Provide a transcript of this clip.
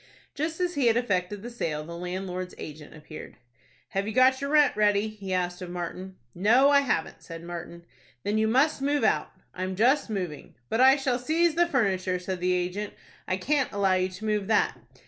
Just as he had effected the sale, the landlord's agent appeared. "Have you got your rent ready?" he asked of Martin. "No, I haven't," said Martin. "Then you must move out." "I'm just moving." "But I shall seize the furniture," said the agent. "I can't allow you to move that."